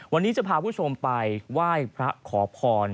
วันนี้จะพาคุณผู้ชมไปไหว้พระขอพร